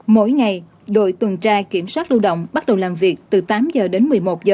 mỗi ngày đội tuần tra kiểm soát lưu động bắt đầu làm việc từ tám h đến một mươi một h